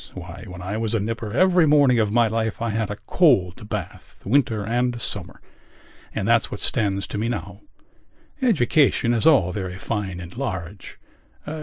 Why, when I was a nipper every morning of my life I had a cold bath, winter and summer. And that's what stands to me now. Education is all very fine and large....